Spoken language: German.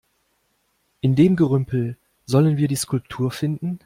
In dem Gerümpel sollen wir die Skulptur finden?